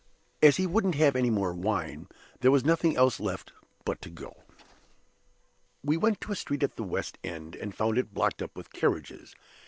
As he wouldn't have any more wine, there was nothing else for it but to go. "We went to a street at the West End, and found it blocked up with carriages.